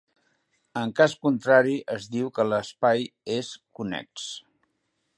En cas contrari, es diu que l'espai és connex.